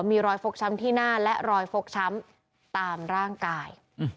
มีรอยฟกช้ำที่หน้าและรอยฟกช้ำตามร่างกาย